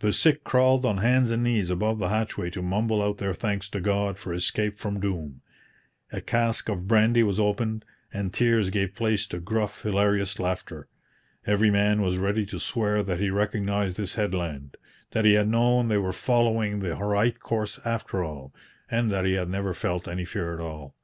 The sick crawled on hands and knees above the hatchway to mumble out their thanks to God for escape from doom. A cask of brandy was opened, and tears gave place to gruff, hilarious laughter. Every man was ready to swear that he recognized this headland, that he had known they were following the right course after all, and that he had never felt any fear at all.